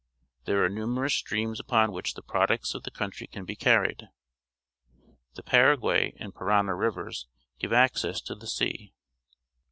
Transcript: There are numerous streams upon which the products of the country can be carried. The Paraguay and Parana Rivers give access to the sea.